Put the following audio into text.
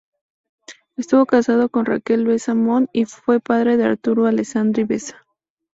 Estuvo casado con Raquel Besa Montt y fue padre de Arturo Alessandri Besa.